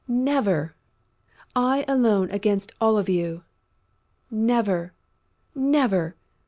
Never!... I alone against all of you!... Never! Never!...